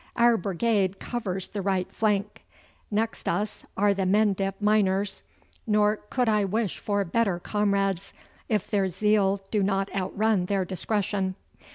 Our brigade covers the right flank. Next us are the Mendip miners, nor could I wish for better comrades, if their zeal do not outrun their discretion.